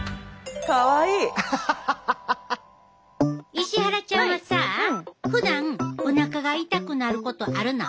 石原ちゃんはさふだんおなかが痛くなることあるの？